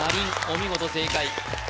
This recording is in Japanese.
お見事正解